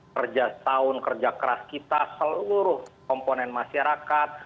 kerja tahun kerja keras kita seluruh komponen masyarakat